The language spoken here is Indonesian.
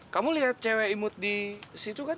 kamu lihat cewek imut di situ kan